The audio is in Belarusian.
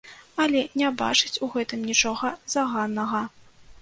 Але не бачыць у гэтым нічога заганнага.